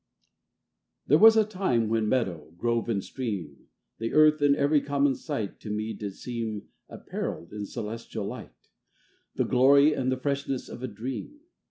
i There was a time when meadow, grove, and stream, The earth, and every common sight, To me did seem Apparelled in celestial light, The glory and the freshness of a dream.